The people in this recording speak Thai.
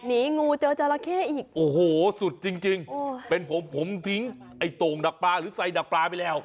งูเจอจราเข้อีกโอ้โหสุดจริงจริงเป็นผมผมทิ้งไอ้โต่งดักปลาหรือใส่ดักปลาไปแล้ว